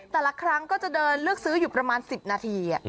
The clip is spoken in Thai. แต่ละครั้งก็จะเดินเลือกซื้ออยู่ประมาณ๑๐นาที